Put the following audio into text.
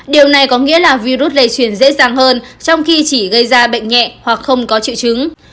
điều này có nghĩa là virus lây truyền dễ dàng hơn trong khi chỉ gây ra bệnh nhẹ hoặc không có triệu chứng